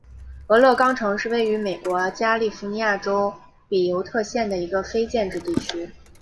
俄勒冈城是位于美国加利福尼亚州比尤特县的一个非建制地区。